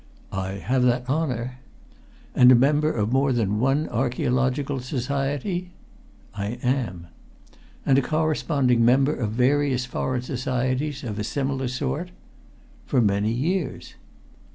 "I have that honour." "And a member of more than one archæological society?" "I am." "And a corresponding member of various foreign societies of a similar sort?" "For many years."